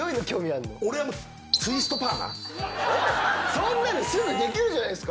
そんなのすぐできるじゃないっすか！